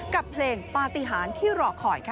กับเพลงปฏิหารที่รอคอยค่ะ